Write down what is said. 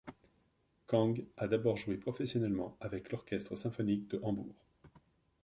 Kang a d'abord joué professionnellement avec l'Orchestre Symphonique de Hambourg.